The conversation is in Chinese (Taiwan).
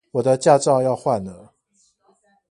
我的駕照要換了